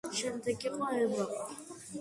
შემდეგ იყო ევროპა.